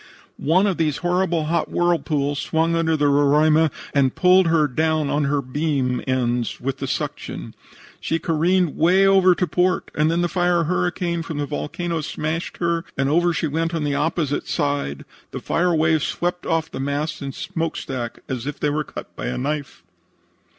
"One of these horrible hot whirlpools swung under the Roraima and pulled her down on her beam ends with the suction. She careened way over to port, and then the fire hurricane from the volcano smashed her, and over she went on the opposite side. The fire wave swept off the masts and smokestack as if they were cut with a knife.